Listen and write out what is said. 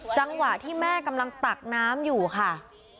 จังหวะที่แม่กำลังตักน้ำอยู่ค่ะ